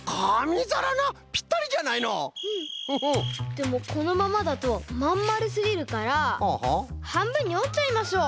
でもこのままだとまんまるすぎるからはんぶんにおっちゃいましょう。